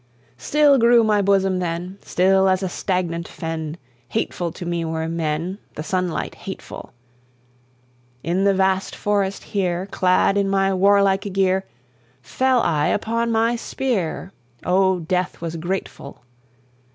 "Still grew my bosom then, Still as a stagnant fen! Hateful to me were men, The sunlight hateful! In the vast forest here, Clad in my warlike gear, Fell I upon my spear, Oh, death was grateful!